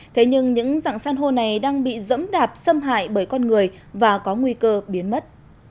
thế nhưng những dạng san hô này đang bị dẫm đạp xâm hại bởi con người và có nguy cơ biến mất